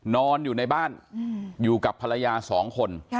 นอนอยู่ในบ้านอยู่กับภรรยา๒คน